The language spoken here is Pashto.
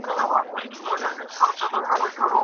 په بشري تاريخ کي نوي سياسي غورځنګونه پيدا سول.